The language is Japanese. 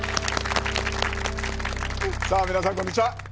さあ皆さんこんにちは。